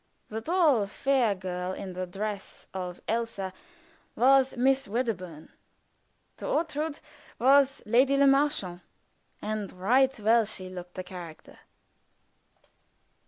The tall, fair girl in the dress of Elsa was Miss Wedderburn; the Ortrud was Lady Le Marchant, and right well she looked the character.